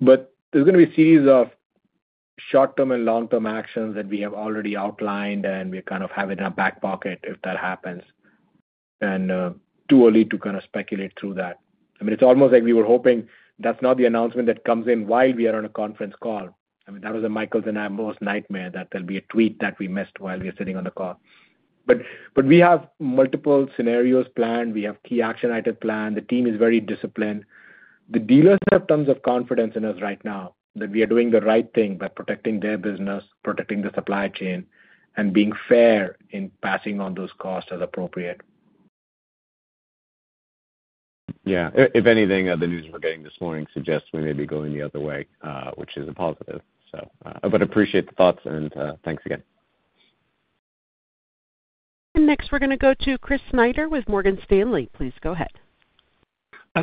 There is going to be a series of short term and long term actions that we have already outlined and we kind of have it in our back pocket if that happens. It is too early to kind of speculate through that. I mean, it is almost like we were hoping that is not the announcement that comes in while we are on a conference call. I mean, that was Michael's and my most nightmare that there would be a tweet that we missed while we were sitting on the call. We have multiple scenarios planned. We have key action items planned. The team is very disciplined. The dealers have tons of confidence in us right now that we are doing the right thing by protecting their business, protecting the supply chain, and being fair in passing on those costs as appropriate. Yeah, if anything, the news we're getting this morning suggests we may be going. The other way, which is a positive. I would appreciate the thoughts and thanks again. Next we're going to go to Chris Snyder with Morgan Stanley. Please go ahead.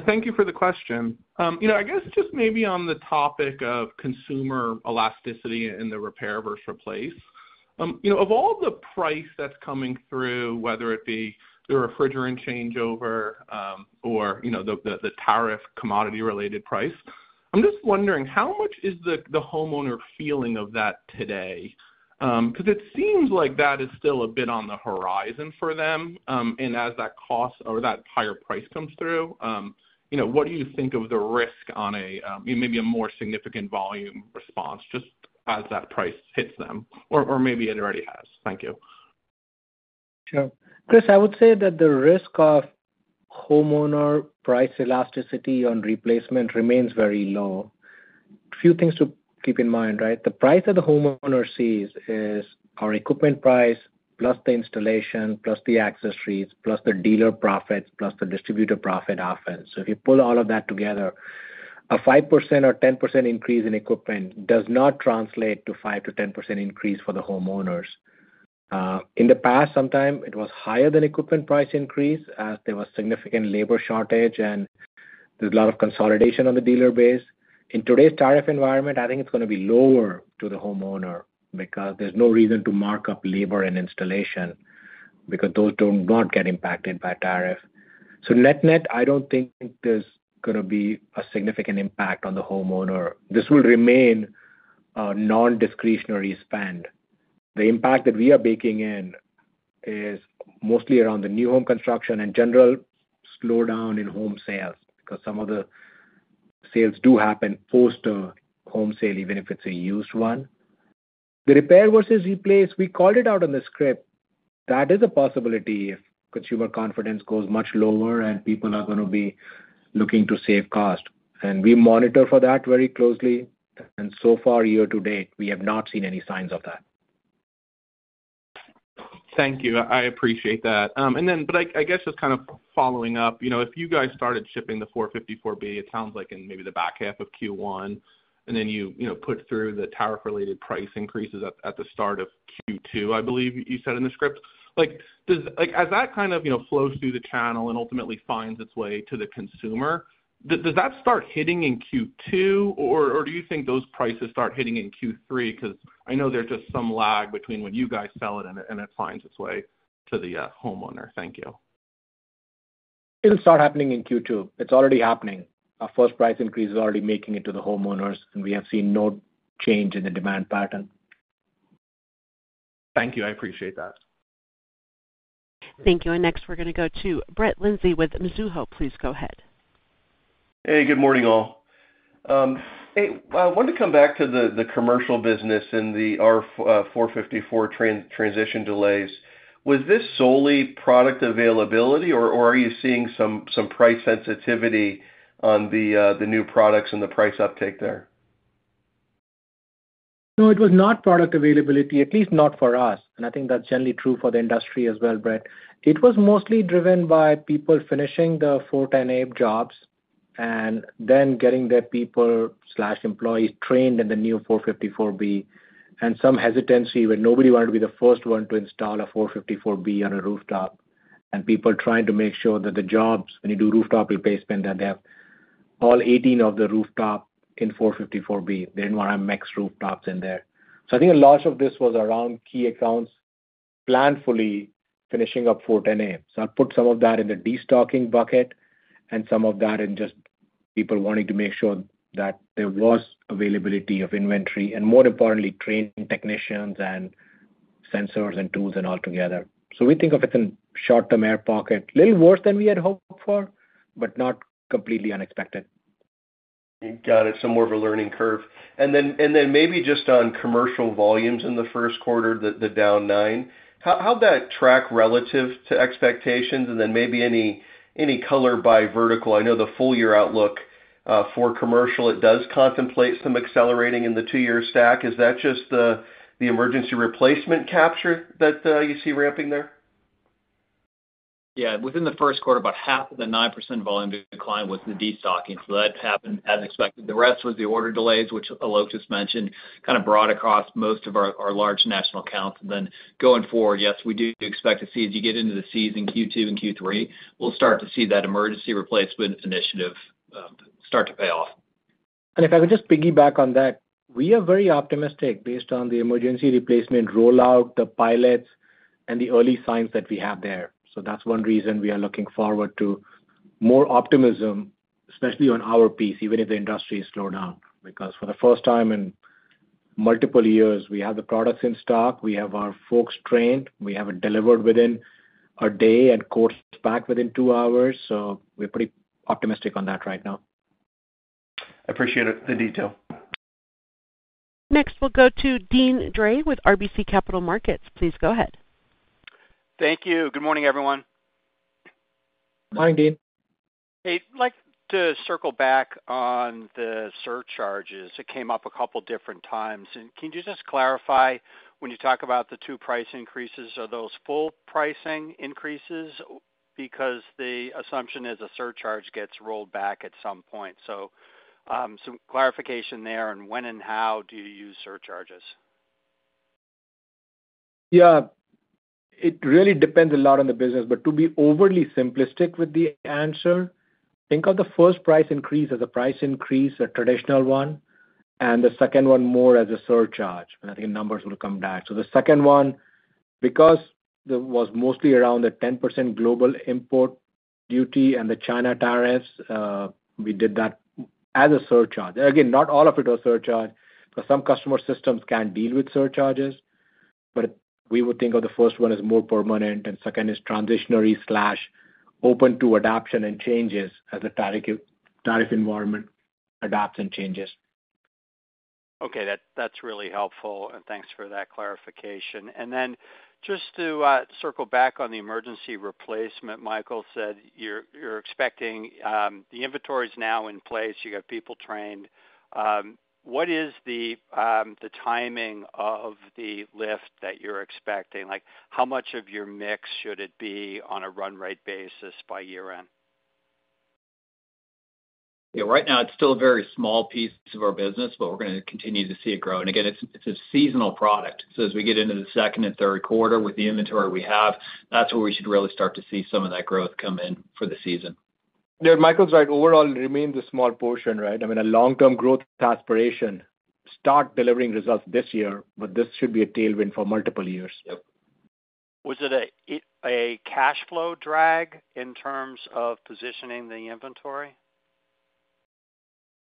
Thank you for the question. I guess just maybe on the topic of consumer elasticity in the repair versus replace of all the price that's coming through, whether it be the refrigerant changeover or the tariff commodity related price. I'm just wondering how much is the. Homeowner feeling of that today? Because it seems like that is still a bit on the horizon for them. As that cost or that higher. Price comes through, what do you think? Of the risk on maybe a more. Significant volume response just as that price hits them? Or maybe it already has. Thank you. Sure. Chris. I would say that the risk of homeowner price elasticity on replacement remains very low. Few things to keep in mind. Right. The price the homeowner sees is our equipment price plus the installation plus the accessories, plus the dealer profits plus the distributor profit offense. If you pull all of that together, a 5% or 10% increase in equipment does not translate to 5%-10% increase for the homeowners. In the past sometime it was higher than equipment price increase as there was significant labor shortage and there is a lot of consolidation on the dealer base. In today's tariff environment I think it is going to be lower to the homeowner because there is no reason to mark up labor and installation because those do not get impacted by tariff. Net net I do not think there is going to be a significant impact on the homeowner. This will remain non discretionary spend. The impact that we are baking in is mostly around the new home construction and general slowdown in home sales because some of the sales do happen post a home sale even if it's a used one. The repair versus replace we called it out on the script. That is a possibility if consumer confidence goes much lower and people are going to be looking to save cost. We monitor for that very closely. So far year to date we have not seen any signs of that. Thank you, I appreciate that. And then. I guess just kind of following. You know if you guys started shipping the 454B, it sounds like in maybe the back half of Q1 and then you put through the tariff related. Price increases at the start of Q2. I believe you said in the script. Like as that kind of flows through. The channel and ultimately finds its way to the consumer, does that start hitting in Q2 or do you think those prices start hitting in Q3? Because I know there's just some lag. Between when you guys sell it and. It finds its way to the homeowner. Thank you. It'll start happening in Q2. It's already happening. Our first price increase is already making it to the homeowners and we have seen no change in the demand pattern. Thank you. I appreciate that. Thank you. Next, we are going to go to Brett Linzey with Mizuho. Please go ahead. Hey, good morning all. I wanted to come back to the commercial business. In the R-454 transition delays, was this solely product availability or are you seeing some price sensitivity on the new products and the price uptake there? No, it was not product availability, at least not for us. I think that's generally true for the industry as well, Brett. It was mostly driven by people finishing the 410A jobs and then getting their people, employees, trained in the new 454B and some hesitancy when nobody wanted to be the first one to install a 454B on a rooftop and people trying to make sure that the jobs, when you do rooftop replacement, that they have all 18 of the rooftop in 454B. They did not want to have mixed rooftops in there. I think a lot of this was around key accounts planfully finishing up 410A, so I'll put some of that in the destocking bucket. Some of that and just people wanting to make sure that there was availability of inventory and, more importantly, trained technicians and sensors and tools and all together. We think of it in short term air pocket, little worse than we had hoped for, but not completely unexpected. Got it. More of a learning curve. Maybe just on commercial volumes in the first quarter, the down 9%, how did that track relative to expectations? Maybe any color by vertical. I know the full year outlook for commercial contemplates some accelerating in the two year stack. Is that just the emergency replacement capture that you see ramping there? Within the first quarter, about half of the 9% volume decline was the destocking. That happened as expected. The rest was the order delays which Alok just mentioned, kind of brought across most of our large national accounts. Going forward, yes, we do expect to see as you get into the season Q2 and Q3, we'll start to see that emergency replacement initiative start to pay off. If I could just piggyback on that, we are very optimistic based on the emergency replacement rollout, the pilots and the early signs that we have there. That is one reason we are looking forward to more optimism, especially on our piece even if the industry slowed down because for the first time in multiple years we have the products in stock, we have our folks trained. We have it delivered within day and course back within two hours. We are pretty optimistic on that right now. I appreciate the detail. Next we'll go to Deane Dray with RBC Capital Markets. Please go ahead. Thank you. Good morning everyone. Morning, Deane. Hey, like to circle back on the surcharges, it came up a couple different times. Can you just clarify when you talk about the two price increases, are those full pricing increases? The assumption is a surcharge gets rolled back at some point. Some clarification there on when and how do you use surcharges? Yeah, it really depends a lot on the business. To be overly simplistic with the answer, think of the first price increase as a price increase, a traditional one, and the second one more as a surcharge. I think numbers will come back. The second one, because there was mostly around the 10% global import duty and the China tariffs, we did that as a surcharge. Not all of it was surcharged, but some customer systems can deal with surcharges. We would think of the first one as more permanent and the second as transitionary, open to adoption and changes as the tariff environment adopts and changes. Okay, that's really helpful and thanks for that clarification. Just to circle back on the emergency replacement, Michael said you're expecting the inventory is now in place. You got people trained. What is the timing of the lift that you're expecting? Like how much of your mix should it be on a run rate basis by year end? Yeah, right now it's still a very small piece of our business but we're going to continue to see it grow. Again, it's a seasonal product. As we get into the second and third quarter with the inventory we have, that's where we should really start to see some of that growth come in for the season. Michael's right. Overall remains a small portion. Right. I mean a long term growth aspiration start delivering results this year. This should be a tailwind for multiple years. Was it a cash flow drag in terms of positioning the inventory?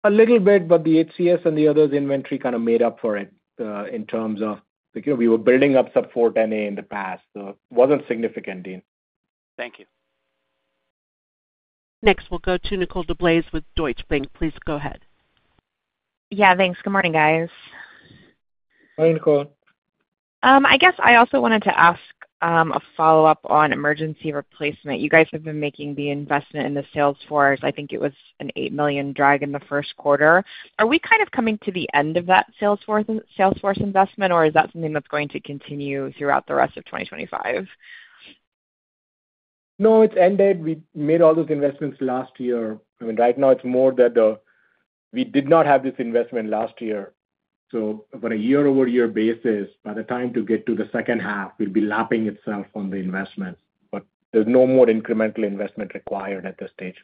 A little bit. The HCS and the others inventory kind of made up for it in terms of we were building up some 410A in the past, was not significant. Dean, thank you. Next we'll go to Nicole DeBlase with Deutsche Bank, please. Go ahead. Yeah, thanks. Good morning, guys. Hi Nicole, I guess I also wanted to ask a follow up on emergency replacement. You guys have been making the investment in the Salesforce. I think it was an $8 million drag in the first quarter. Are we kind of coming to the end of that Salesforce investment or is that something that's going to continue throughout. The rest of 2025? No, it's ended. We made all those investments last year. I mean, right now it's more than the. We did not have this investment last year. So on a year over year basis, by the time to get to the second half, we'll be lapping itself on the investments. There's no more incremental investment required at this stage.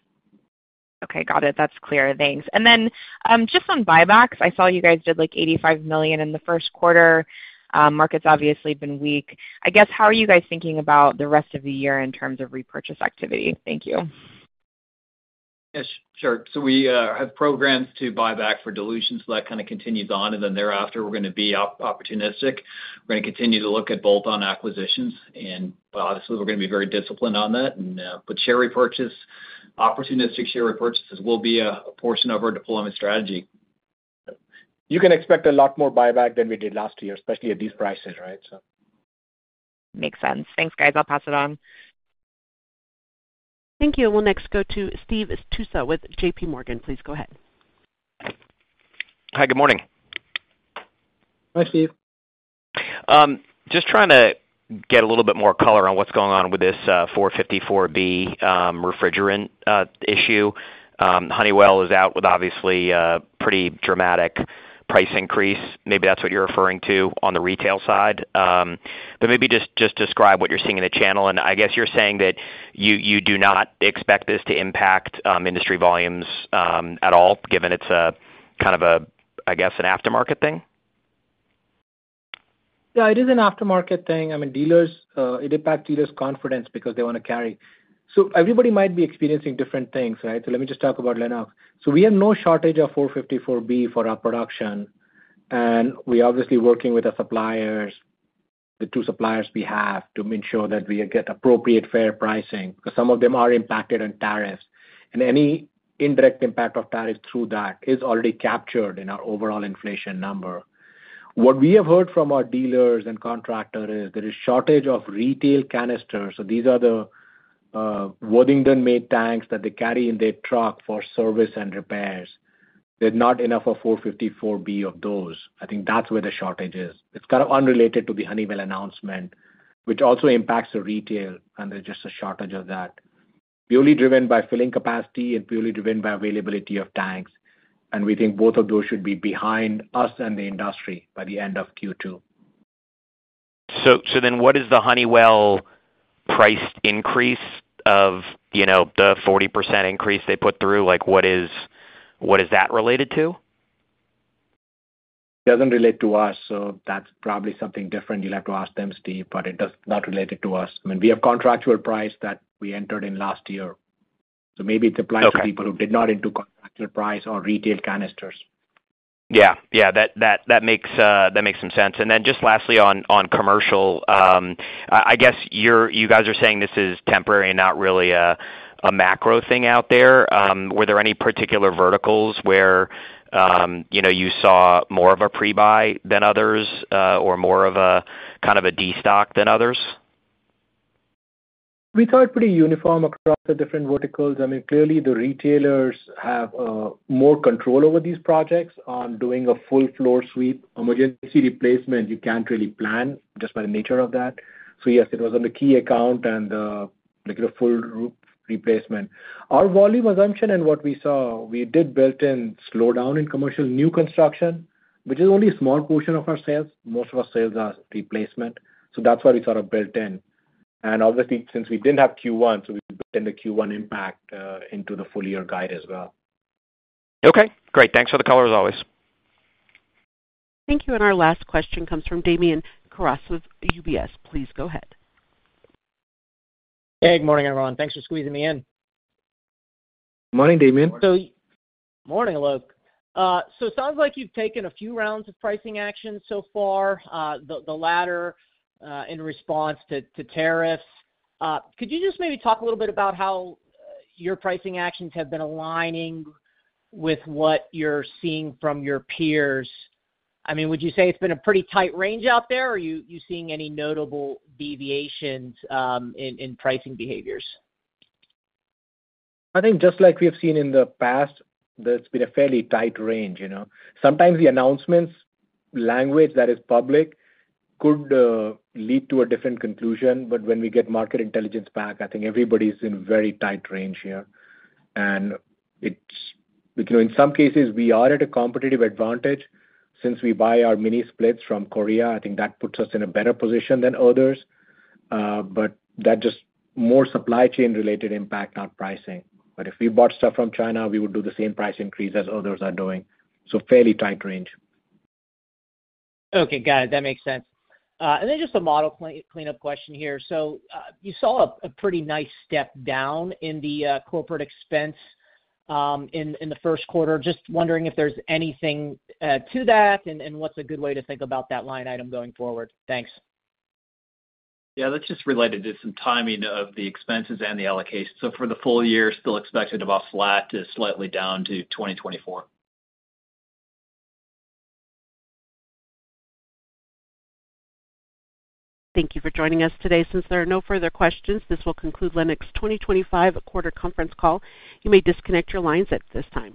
Okay, got it. That's clear. Thanks. And then just on buybacks, I saw you guys did like $85 million in the first quarter. Market's obviously been weak, I guess. How are you guys thinking about the rest of the year in terms of repurchase activity? Thank you. Sure. We have programs to buy back for dilution, so that kind of continues on, and then thereafter we're going to be opportunistic. We're going to continue to look at bolt-on acquisitions, and obviously we're going to be very disciplined on that. Share repurchase, opportunistic share repurchases will be a portion of our deployment strategy. You can expect a lot more buyback than we did last year, especially at these prices. Right. Makes sense. Thanks, guys. I'll pass it on. Thank you. We'll next go to Steve Tusa with J.P. Morgan. Please go ahead. Hi, good morning. Hi, Steve. Just trying to get a little bit more color on what's going on with this 454B refrigerant issue. Honeywell is out with obviously pretty dramatic price increase. Maybe that's what you're referring to on the retail side, but maybe just describe what you're seeing in the channel. I guess you're saying that you do not expect this to impact industry volumes at all, given it's kind of a, I guess, an aftermarket thing. Yeah, it is an aftermarket thing. I mean dealers, it impacts dealers' confidence because they want to carry. Everybody might be experiencing different things. Right. Let me just talk about Lennox. We have no shortage of 454B for our production. We are obviously working with our suppliers, the two suppliers we have, to ensure that we get appropriate fair pricing because some of them are impacted on tariffs and any indirect impact of tariffs through that is already captured in our overall inflation number. What we have heard from our dealers and contractor is there is shortage of retail canisters. These are the Worthington made tanks that they carry in their truck for service and repairs. There is not enough of 454B of those. I think that's where the shortage is. It's kind of unrelated to the Honeywell announcement which also impacts the retail. There is just a shortage of that purely driven by filling capacity and purely driven by availability of tanks. We think both of those should be behind us and the industry by the end of Q2. What is the Honeywell price increase of the 40% increase they put through, what is that related to? It does not relate to us. That is probably something different. You will have to ask them, Steve. It does not relate to us. We have contractual price that we entered in last year. Maybe it applies to people who did not enter into contractual price or retail canisters. Yeah, yeah, that makes some sense. Just lastly on commercial, I guess you guys are saying this is temporary and not really a macro thing out there. Were there any particular verticals where you saw more of a pre-buy than others or more of a kind of a destock than others? We thought pretty uniform across the different verticals. I mean clearly the retailers have more control over these projects on doing a full floor sweep emergency replacement, you can't really plan just by the nature of that. Yes, it was on the key account and full roof replacement. Our volume assumption and what we saw, we did build in slowdown in commercial new construction, which is only a small portion of our sales. Most of our sales are replacement. That's why we sort of built in. Obviously since we didn't have Q1, we built in the Q1 impact into the full year guide as well. Okay, great. Thanks for the color as always. Thank you. Our last question comes from Damian Karas with UBS. Please go ahead. Hey, good morning everyone. Thanks for squeezing me in. Good morning, Damian. Morning, Alok. It sounds like you've taken a. Few rounds of pricing action so far. The latter in response to tariffs. Could you just maybe talk a little bit about how your pricing actions have? Been aligning with what you're seeing from your peers? I mean, would you say it's been? A pretty tight range out there? Are you seeing any notable deviations in pricing behaviors? I think just like we have seen in the past, it's been a fairly tight range. Sometimes the announcements language that is public could lead to a different conclusion. When we get market intelligence back I think everybody's in a very tight range here. In some cases we are at a competitive advantage since we buy our mini splits from Korea. I think that puts us in a better position than others, that is just more supply chain related impact on pricing. If we bought stuff from China we would do the same price increase as others are doing, so fairly tight range. Okay, got it. That makes sense. Just a model cleanup question here. You saw a pretty nice step. Down in the corporate expense in the first quarter. Just wondering if there's anything to that and what's a good way to think. About that line item going forward. Thanks. Yeah, that's just related to some timing of the expenses and the allocation. For the full year still expected about flat to slightly down to 2024. Thank you for joining us today. Since there are no further questions, this will conclude Lennox 2025 quarter conference call. You may disconnect your lines at this time.